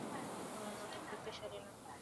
তোমার মতো শক্তিশালী না।